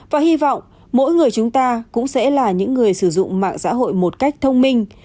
và hy vọng mỗi người chúng ta cũng sẽ là những người sử dụng mạng xã hội một cách thông minh